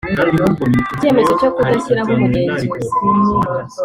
icyemezo cyo kudashyiraho umugenzuzi